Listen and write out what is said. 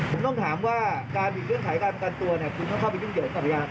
ผมต้องถามว่าการผิดเครื่องขายการประกันตัวคุณต้องเข้าไปยุ่งเหยิงการประกัน